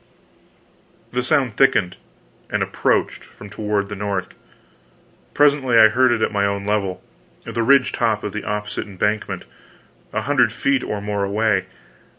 This sound thickened, and approached from toward the north. Presently, I heard it at my own level the ridge top of the opposite embankment, a hundred feet or more away.